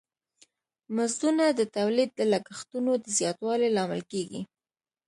مزدونه د تولید د لګښتونو د زیاتوالی لامل کیږی.